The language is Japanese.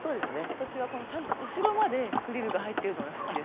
私はこのちゃんと後ろまでフリルが入ってるのが好きです。